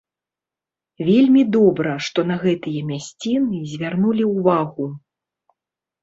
Вельмі добра, што на гэтыя мясціны звярнулі ўвагу.